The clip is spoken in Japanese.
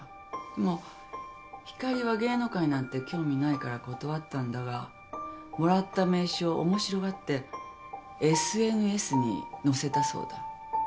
まあ星は芸能界なんて興味ないから断ったんだがもらった名刺を面白がってＳＮＳに載せたそうだ。